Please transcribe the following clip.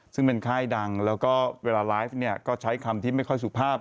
ซึ่งเป็นค่ายดังแล้วก็เวลาไลฟ์เนี่ยก็ใช้คำที่ไม่ค่อยสุภาพ